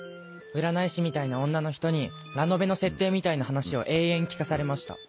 占い師みたいな女の人にラノベの設定みたいな話を延々聞かされました。